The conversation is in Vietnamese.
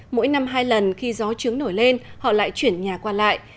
mỗi năm hai lần khi gió trướng nổi lên họ lại chuyển nhà qua lại